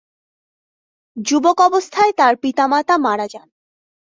যুবক অবস্থায় তার পিতা মাতা মারা যান।